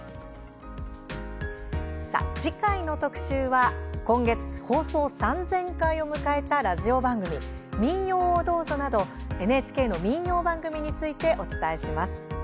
次回の特集は今月、放送３０００回を迎えたラジオ番組「民謡をどうぞ」などＮＨＫの民謡番組についてお伝えします。